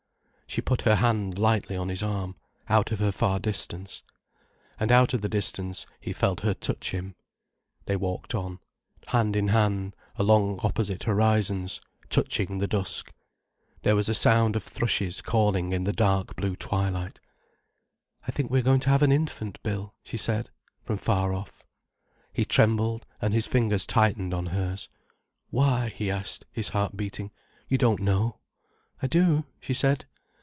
She put her hand lightly on his arm, out of her far distance. And out of the distance, he felt her touch him. They walked on, hand in hand, along opposite horizons, touching across the dusk. There was a sound of thrushes calling in the dark blue twilight. "I think we are going to have an infant, Bill," she said, from far off. He trembled, and his fingers tightened on hers. "Why?" he asked, his heart beating. "You don't know?" "I do," she said.